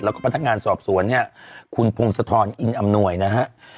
แล้วก็พนักงานสอบสวนเนี่ยคุณพงศธรอินอำนวยนะฮะ